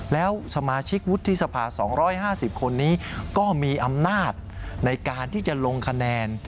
แล้วสมาชิกวุฒิสภา๒๕๐คนนี้ก็มีอำนาจในการที่จะลงคะแนน